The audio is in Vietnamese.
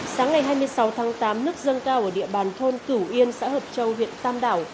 sáng ngày hai mươi sáu tháng tám nước dâng cao ở địa bàn thôn cửu yên xã hợp châu huyện tam đảo